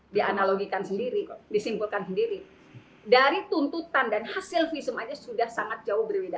dianalogikan sendiri kok disimpulkan sendiri dari tuntutan dan hasil visum aja sudah sangat jauh berbeda